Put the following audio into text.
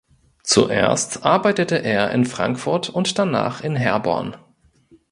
Zuerst arbeitete er in Frankfurt und danach in Herborn.